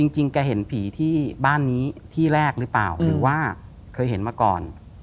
แกเห็นผีที่บ้านนี้ที่แรกหรือเปล่าหรือว่าเคยเห็นมาก่อน